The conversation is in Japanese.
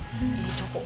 いいとこ。